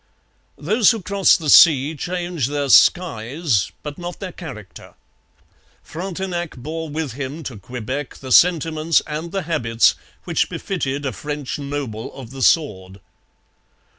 Those who cross the sea change their skies but not their character. Frontenac bore with him to Quebec the sentiments and the habits which befitted a French noble of the sword.